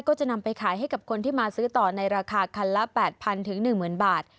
ก็จะนำไปขายให้กับคนที่มาซื้อต่อในราคาคันละแปดพันถึงหนึ่งหมื่นบาท